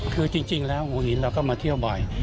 คือจริงแล้วหัวหินเราก็มาเที่ยวบ่อย